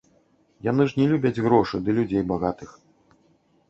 Яны ж не любяць грошы ды людзей багатых.